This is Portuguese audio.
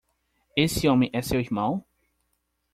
Esse homem é seu irmão?